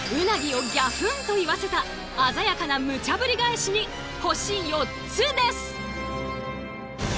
鰻をギャフンと言わせた鮮やかなムチャぶり返しに星４つです！